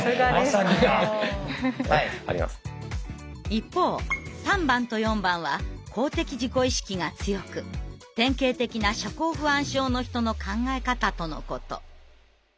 一方３番と４番は公的自己意識が強く典型的な社交不安症の人の考え方とのこと。